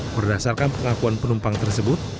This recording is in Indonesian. berdasarkan pengakuan penumpang tersebut